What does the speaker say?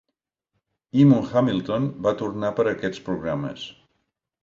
Eamon Hamilton va tornar per a aquests programes.